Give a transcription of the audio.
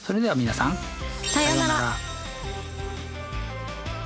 さようなら。